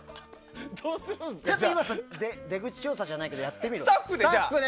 じゃあ今、出口調査じゃないけどやってみる？